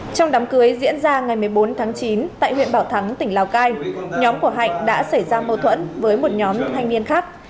trong đám cưới diễn ra ngày một mươi bốn tháng chín tại huyện bảo thắng tỉnh lào cai nhóm của hạnh đã xảy ra mâu thuẫn với một nhóm thanh niên khác